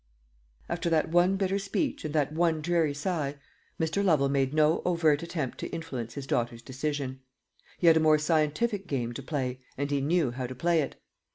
After that one bitter speech and that one dreary sigh, Mr. Lovel made no overt attempt to influence his daughter's decision. He had a more scientific game to play, and he knew how to play it.